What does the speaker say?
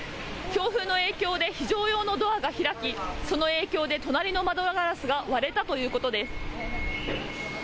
強風の影響で非常用のドアが開きその影響で隣の窓ガラスが割れたということです。